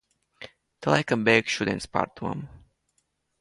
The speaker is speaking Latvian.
Te laikam beigšu šodienas pārdomu...